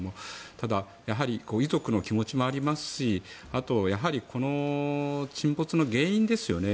ただ、遺族の気持ちもありますしあと、この沈没の原因ですよね